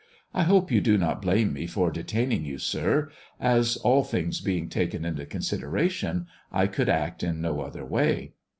I hope you do not blame me for detaining you, sir, as, all things being taken into consideration, I could act in no other way."